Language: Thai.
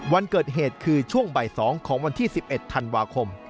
วันเกิดเหตุคือช่วงบ่าย๒ของวันที่๑๑ธันวาคม